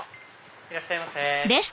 いらっしゃいませ。